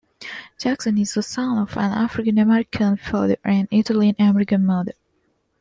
Jackson is the son of an African-American father and an Italian-American mother.